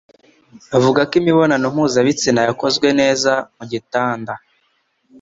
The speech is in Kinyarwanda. Bavuga ko imibonano mpuzabitsina yakozwe neza mugitanda